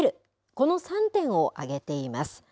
この３点を挙げています。